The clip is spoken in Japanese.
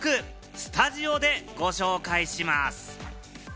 スタジオでご紹介します。